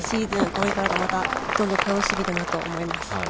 これからがどんどん楽しみだなと思います。